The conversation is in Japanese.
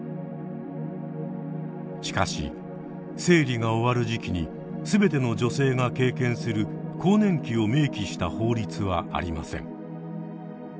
しかし生理が終わる時期に全ての女性が経験する更年期を明記した法律はありません。